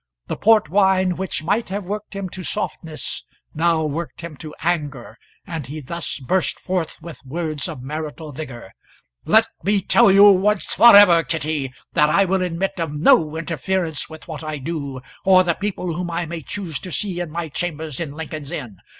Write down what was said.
The port wine which might have worked him to softness, now worked him to anger, and he thus burst forth with words of marital vigour: "Let me tell you once for ever, Kitty, that I will admit of no interference with what I do, or the people whom I may choose to see in my chambers in Lincoln's Inn.